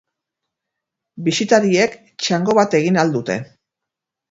Bisitariek txango bat egin ahal dute.